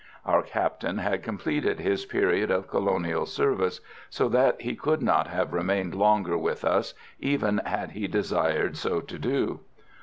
Our Captain had completed his period of colonial service, so that he could not have remained longer with us even had he desired so to do.